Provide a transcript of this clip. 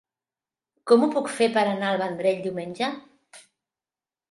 Com ho puc fer per anar al Vendrell diumenge?